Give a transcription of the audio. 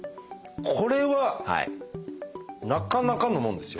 これはなかなかのもんですよ。